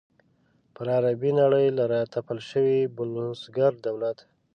پر عربي نړۍ له را تپل شوي بلوسګر دولت.